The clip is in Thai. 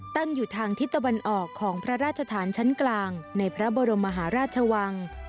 ตั้งอยู่ทางทิศตะวันออกของพระราชฐานชั้นกลางในพระบรมมหาราชวัง